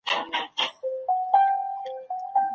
هغوی له پخوا کار کوي.